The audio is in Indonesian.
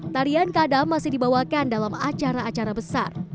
tarian kadam masih dibawakan dalam acara acara besar